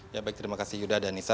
ya baik terima kasih yuda dan nisa